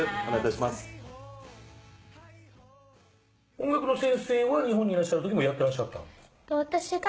音楽の先生は日本にいらっしゃる時もやってらっしゃったんです？